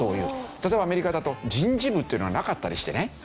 例えばアメリカだと人事部っていうのはなかったりしてね。